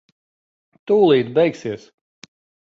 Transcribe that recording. Tūlīt beigsies.